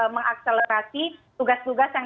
mengakselerasi tugas tugas yang